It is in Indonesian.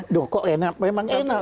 loh kok enak memang enak